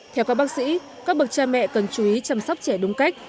theo các bác sĩ các bậc cha mẹ cần chú ý chăm sóc trẻ đúng cách